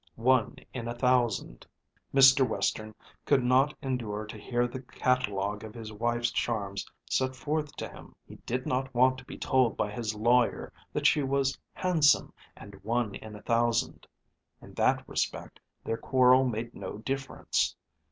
One in a thousand!" Mr. Western could not endure to hear the catalogue of his wife's charms set forth to him. He did not want to be told by his lawyer that she was "handsome" and "one in a thousand"! In that respect their quarrel made no difference.